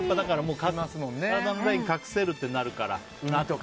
体のライン隠せるってなるから。